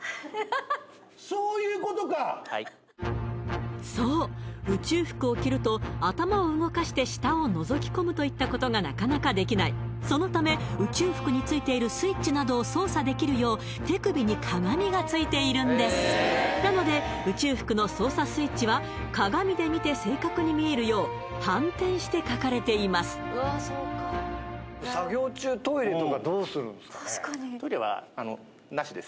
そういうことかはいそう宇宙服を着ると頭を動かして下をのぞき込むといったことがなかなかできないそのため宇宙服についているスイッチなどを操作できるよう手首に鏡がついているんですなので宇宙服の操作スイッチは鏡で見て正確に見えるよう反転して書かれていますどうするんですかね